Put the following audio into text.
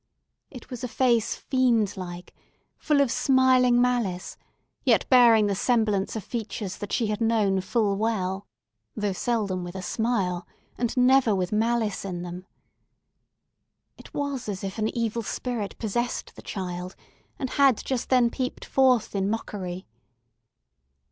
It was a face, fiend like, full of smiling malice, yet bearing the semblance of features that she had known full well, though seldom with a smile, and never with malice in them. It was as if an evil spirit possessed the child, and had just then peeped forth in mockery.